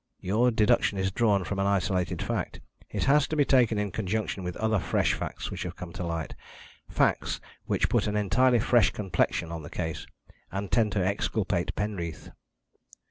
"Your deduction is drawn from an isolated fact. It has to be taken in conjunction with other fresh facts which have come to light facts which put an entirely fresh complexion on the case, and tend to exculpate Penreath."